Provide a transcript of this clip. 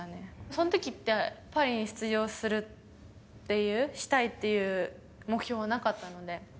そんときって、パリに出場するっていう、したいっていう目標はなかったので。